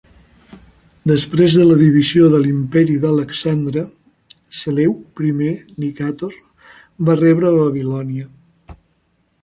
Després de la divisió de l'imperi d'Alexandre, Seleuc Primer Nicàtor va rebre Babilònia.